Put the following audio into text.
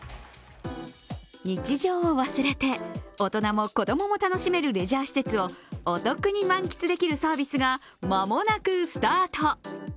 日常を忘れて大人も子供も楽しめるレジャー施設をお得に満喫できるサービスがまもなくスタート。